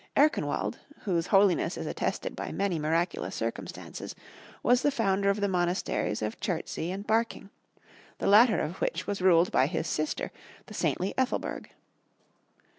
Earconwald, whose holiness is attested by many miraculous circumstances, was the founder of the monasteries of Chertsey and Barking, the latter of which was ruled by his sister, the saintly Ethelburg.